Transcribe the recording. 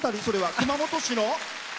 それは熊本市の？